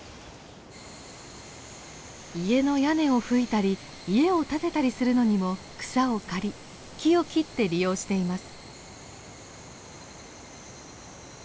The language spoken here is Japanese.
家の屋根をふいたり家を建てたりするのにも草を刈り木を切って利用しています。